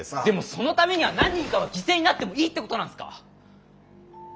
でもそのためには何人かは犠牲になってもいいってことなんすか？